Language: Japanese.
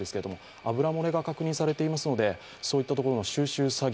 油漏れが確認されていますので、そういったところの収集作業